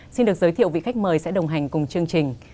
xin được giới thiệu vị khách mời sẽ đồng hành cùng chương trình